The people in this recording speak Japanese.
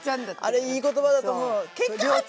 あれいい言葉だと思う。